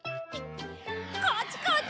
こっちこっち！